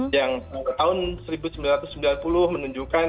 yang tahun seribu sembilan ratus sembilan puluh menunjukkan